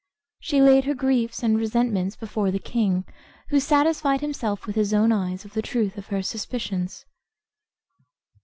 She laid her griefs and resentment before the king, who satisfied himself with his own eyes of the truth of her suspicions.